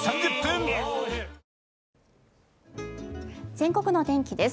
全国のお天気です。